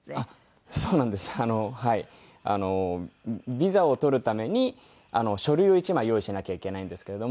ビザを取るために書類を１枚用意しなきゃいけないんですけれども。